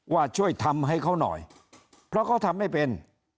ว่าช่วยทำให้เขาหน่อยเพราะเขาทำไม่เป็น